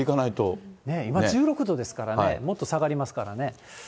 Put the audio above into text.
今、１６度ですからね、もっと下がりますからね。